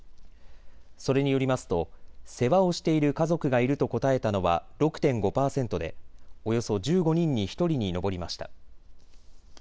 それによりますと世話をしている家族がいると答えたのは６．５％でおよそ１５人に１人に上りました。